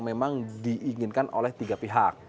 memang diinginkan oleh tiga pihak